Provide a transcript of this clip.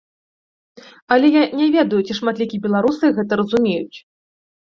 Але я не ведаю, ці шматлікія беларусы гэта разумеюць.